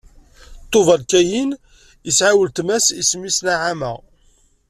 Tubal-Kayin isɛa weltma-s, isem-is Naɛama.